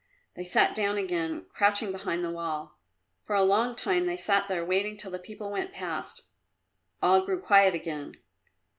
They sat down again, crouching behind the wall. For a long time they sat there waiting till the people went past. All grew quiet again.